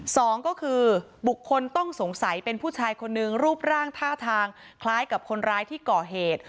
สองก็คือบุคคลต้องสงสัยเป็นผู้ชายคนนึงรูปร่างท่าทางคล้ายกับคนร้ายที่ก่อเหตุ